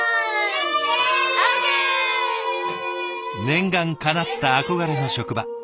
念願かなった憧れの職場。